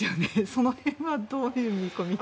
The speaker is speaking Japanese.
その辺はどういう見込みで。